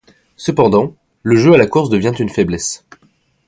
Cependant, le jeu à la course devient une faiblesse.